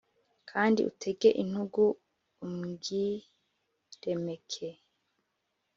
kandi utege intugu ubwiremeke